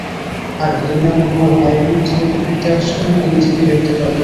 আরে তুমি তোমার ভাইয়ের বিরুদ্ধে রিপোর্ট লিখতে আসছো নাকি নিজেকে গ্রেফতার করাতে?